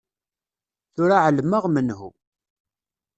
Tura εelmeɣ menhu.